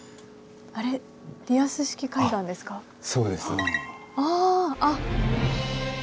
そうです。ああ。